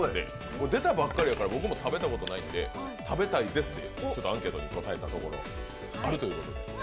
出たばっかりやから、僕も食べたことないので、食べたいですってアンケートに答えたところ、あるということで。